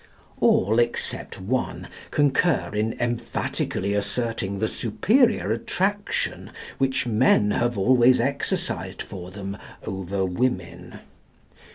All, except one, concur in emphatically asserting the superior attraction which men have always exercised for them over women.